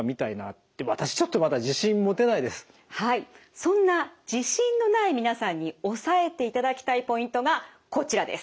そんな自信のない皆さんに押さえていただきたいポイントがこちらです。